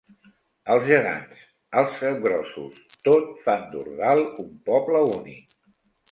Els gegants, els capgrossos tot fan d'Ordal un poble únic.